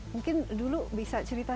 mungkin dulu bisa cerita